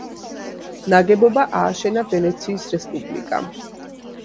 ნაგებობა ააშენა ვენეციის რესპუბლიკამ.